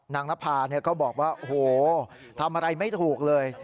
นางนภาเนี่ยบอกว่าโหทำอะไรไม่ถูกเลย